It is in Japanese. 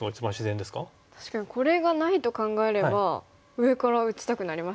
確かにこれがないと考えれば上から打ちたくなりますね。